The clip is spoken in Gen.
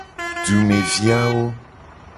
Dumevi awo.